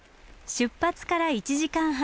出発から１時間半。